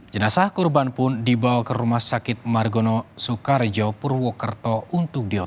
jenasah kurban pun dibawa ke rumah sakit margono soekarjo purwokerto untuk diotopsi